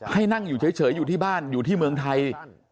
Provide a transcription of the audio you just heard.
ให้นั่งอยู่เฉยอยู่ที่บ้านอยู่ที่เมืองไทย